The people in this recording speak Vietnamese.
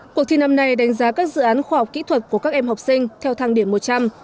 cuộc thi năm nay đánh giá các dự án khoa học kỹ thuật của các em học sinh theo thang điểm một trăm linh